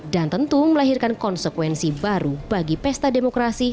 dan tentu melahirkan konsekuensi baru bagi pesta dan peristiwa